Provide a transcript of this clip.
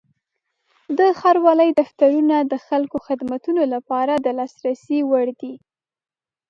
د ښاروالۍ دفترونه د خلکو خدمتونو لپاره د لاسرسي وړ دي.